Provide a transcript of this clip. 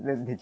di rumah pak